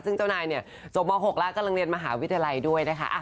ซึ่งเจ้านายจบมา๖แล้วก็เรียนมหาวิทยาลัยด้วยนะคะ